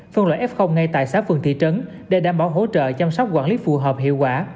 phân loại f ngay tại xã phường thị trấn để đảm bảo hỗ trợ chăm sóc quản lý phù hợp hiệu quả